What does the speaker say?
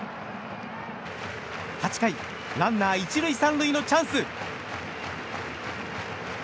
８回ランナー１塁３塁のチャンス。